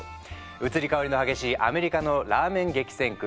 移り変わりの激しいアメリカのラーメン激戦区